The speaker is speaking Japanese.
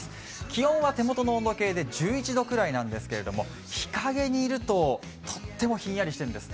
気温は手元の温度計で１１度くらいなんですけれども、日陰にいるととってもひんやりしているんです。